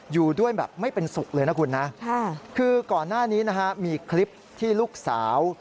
อยู่ด้วยแบบไม่เป็นสุขเลยนะคุณนะคือก่อนหน้านี้นะฮะมีคลิปที่ลูกสาว